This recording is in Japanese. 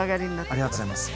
ありがとうございます